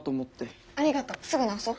ありがとうすぐ直そう！